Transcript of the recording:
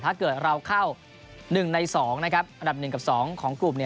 ถ้าเกิดเราเข้า๑ใน๒อันดับ๑กับ๒ของกลุ่ม